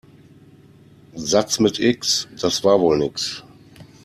Satz mit X, das war wohl nix.